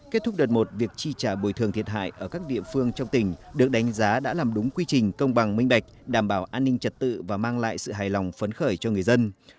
kết thúc đợt một việc chi trả bồi thường thiệt hại ở các địa phương trong tỉnh được đánh giá đã làm đúng quy trình công bằng minh bạch đảm bảo an ninh trật tự và mang lại sự hài lòng phấn khởi cho người dân